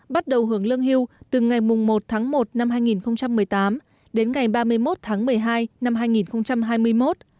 bắt đầu hưởng lương hưu từ ngày một tháng một năm hai nghìn một mươi tám đến ngày ba mươi một tháng một mươi hai năm hai nghìn hai mươi một